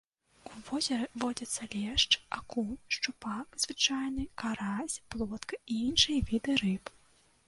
У возеры водзяцца лешч, акунь, шчупак звычайны, карась, плотка і іншыя віды рыб.